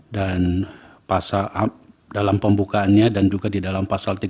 dan dalam pembukaannya dan juga di dalam pasal tiga puluh empat